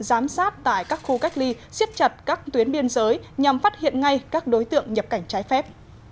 giám sát tại các khu cách ly xiết chặt các tuyến biên giới nhằm phát hiện ngay các đối tượng nhập cảnh trái phép